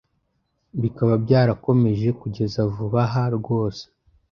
bikaba byarakomeje kugeza vubaha rwose